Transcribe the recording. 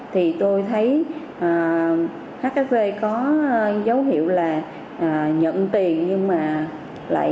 thì tôi thấy hfv có dấu hiệu là nhận tiền nhưng mà lại